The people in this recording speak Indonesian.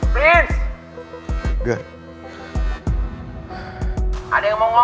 kita c damals banget